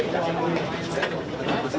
wassalamualaikum warahmatullahi wabarakatuh